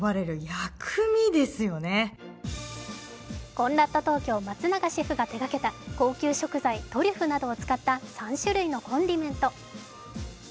コンラッド東京・松永シェフが手がけた、高級食材トリュフなどを使った３種類のコンディメント。